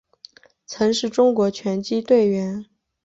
曾是中国拳击队员。